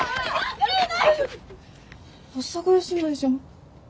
阿佐ヶ谷姉妹じゃん。